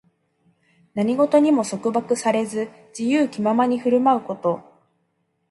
何事にも束縛されず、自由気ままに振る舞うこと。